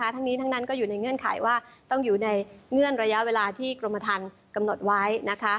ทั้งนี้ทั้งนั้นก็อยู่ในเงื่อนไขว่าต้องอยู่ในเงื่อนระยะเวลาที่กรมฐานกำหนดไว้